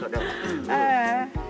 ああ。